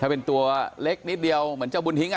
ถ้าเป็นตัวเล็กนิดเดียวเหมือนเจ้าบุญทิ้ง